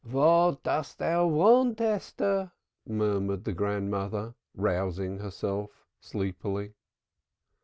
"What dost thou want, Esther?" murmured the grandmother rousing herself sleepily.